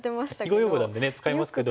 囲碁用語なんで使いますけど。